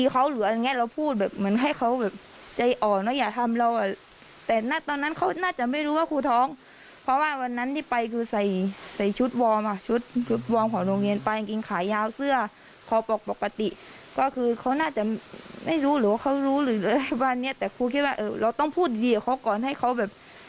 เขารู้หรืออะไรบ้างเนี่ยแต่ครูคิดว่าเออเราต้องพูดดีกับเขาก่อนให้เขาแบบ